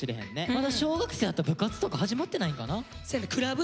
まだ小学生やったら部活とか始まってないんかな？